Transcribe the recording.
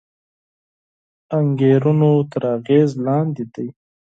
انګېرنو تر اغېز لاندې دی